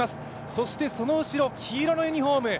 そしてその後ろ、黄色のユニフォーム